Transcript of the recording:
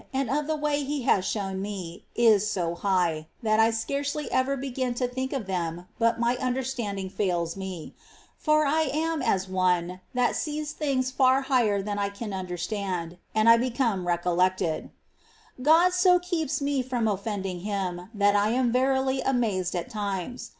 What I see and understand of the grandeurs of God, and of the way He has shown them, is so high, that I scarcely ever begin to think of them but my understanding fails me, — for I am as one that sees things far higher than I can understand, — and I become recollected. 18. God so keeps me from offending Him, that I am verily amazed at times.